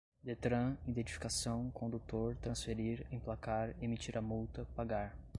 detran, identificação, condutor, transferir, emplacar, emitir a multa, pagar